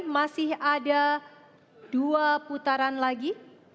masih ada dua putaran lagi